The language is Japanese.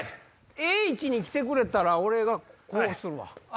ええ位置に来てくれたら俺がこうするわ。